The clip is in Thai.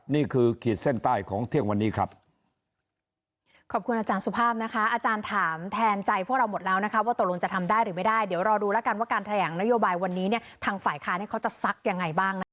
ขีดเส้นใต้ของเที่ยงวันนี้ครับ